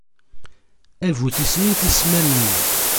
A bu tissmin tisemmamin!